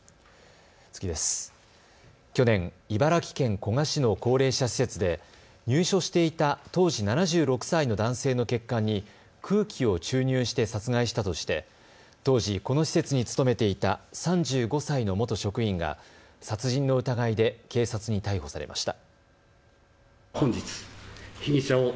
去年、茨城県古河市の高齢者施設で入所していた当時７６歳の男性の血管に空気を注入して殺害したとして当時この施設に勤めていた３５歳の元職員が殺人の疑いで警察に逮捕されました。